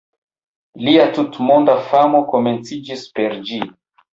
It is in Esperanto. Lia tutmonda famo komenciĝis per ĝi.